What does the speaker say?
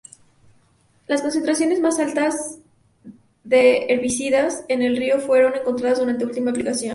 Las concentraciones más altas de herbicidas en el río fueron encontradas durante última aplicación.